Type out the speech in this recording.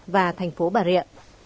và thành phố bà rịa